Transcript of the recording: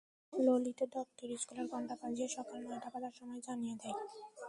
ললিত দপ্তরি স্কুলের ঘণ্টা বাজিয়ে সকাল নয়টা বাজার সময় জানিয়ে দেয়।